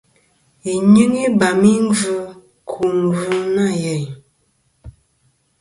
Yi nyɨŋ ibam i gvɨ ku gvì nɨ̀ nyeyn.